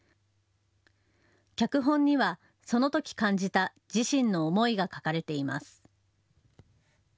脚本にはそのとき感じた自身の思いが書かれています。